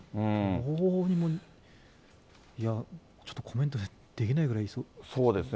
どうにも、いや、ちょっとコメントできないぐらいです。